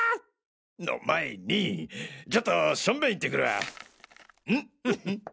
の前にちょっとしょんべん行ってくるわ。